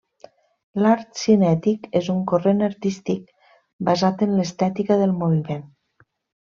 L’art cinètic és un corrent artístic basat en l’estètica del moviment.